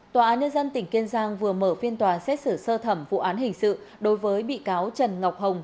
tòa án nhân dân tỉnh kiên giang vừa mở phiên tòa xét xử sơ thẩm vụ án hình sự đối với bị cáo trần ngọc hồng